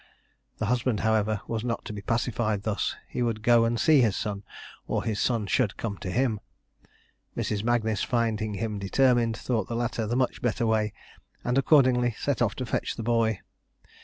The husband, however, was not to be pacified thus: he would go and see his son, or his son should come to him. Mrs. Magnis, finding him determined, thought the latter the much better way, and accordingly set off to fetch the boy.